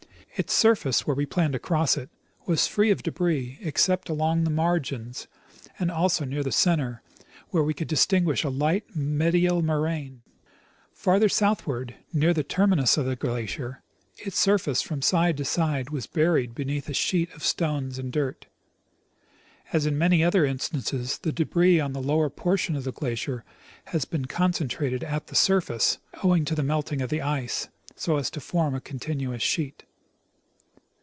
Its surface, where we planned to cross it, was free of debris except along the margins and also near the center, where we could distinguish a light medial moraine. Farther southward, near the terminus of the glacier, its surface from side to side was buried beneath a sheet of stones and dirt. As in many other instances, the debris on the lower portion of the glacier has been concentrated at the surface, owing to the melting of the ice, so as to form a continuous sheet.